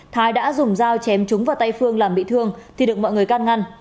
thái đã dùng dao chém trúng vào tay phương làm bị thương thì được mọi người can ngăn